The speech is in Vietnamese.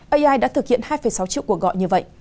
ai đã thực hiện hai sáu triệu cuộc gọi như vậy